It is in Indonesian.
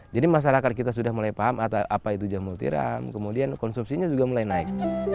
jadi masyarakat kita sudah mulai paham apa itu jamur tiram kemudian konsumsinya juga mulai naik